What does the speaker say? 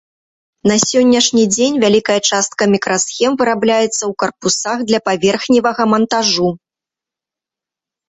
На сённяшні дзень вялікая частка мікрасхем вырабляецца ў карпусах для паверхневага мантажу.